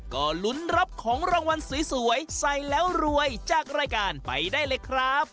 ก็ลุ้นรับของรางวัลสวยใส่แล้วรวยจากรายการไปได้เลยครับ